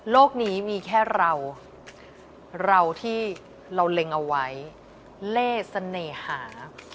นี้มีแค่เราเราที่เราเล็งเอาไว้เล่เสน่หา